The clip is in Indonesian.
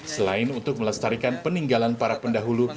selain untuk melestarikan peninggalan para pendahulu